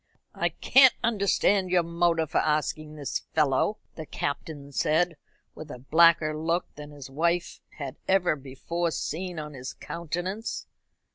"I can't understand your motive for asking this fellow," the Captain said, with a blacker look than his wife had ever before seen on his countenance.